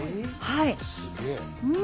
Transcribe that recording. すげえ。